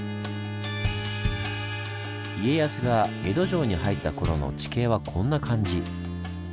家康が江戸城に入った頃の地形はこんな感じ。